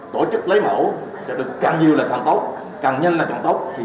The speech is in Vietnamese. tổ chức lấy mẫu sẽ được càng nhiều là càng tốt càng nhanh là càng tốt